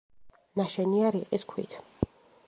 ნაშენია რიყის ქვით.